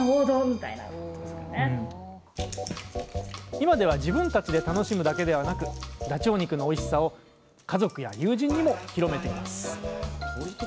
今では自分たちで楽しむだけではなくダチョウ肉のおいしさを家族や友人にも広めています